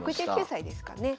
６９歳ですかね。